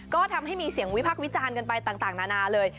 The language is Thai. ก็ทำให้มีเสียงวิพักษ์วิจารณ์กันไปต่างนานาเลย